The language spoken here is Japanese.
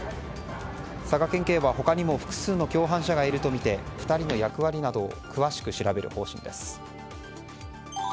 佐賀県警は他にも複数の共犯者がいるとみて２人の役割などを詳しく調べる方針です。